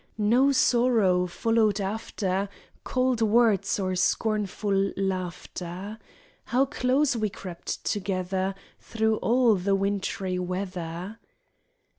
No sorrow followed after, Cold words or scornful laughter. How close we crept together, Through all the wintry weather